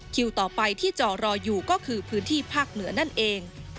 คิวต่อไปที่จอรออยู่ก็คือพื้นที่ภาคเหนือนั่นเอง